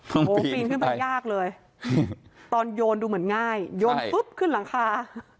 โอ้โหปีนขึ้นไปยากเลยตอนโยนดูเหมือนง่ายโยนปุ๊บขึ้นหลังคา